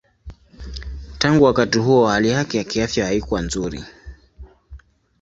Tangu wakati huo hali yake ya kiafya haikuwa nzuri.